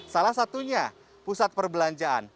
salah satunya pusat perbelanjaan